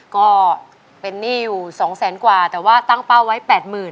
ก็เป็นหนี้อยู่๒แสนกว่าแต่ว่าตั้งเป้าไว้๘๐๐๐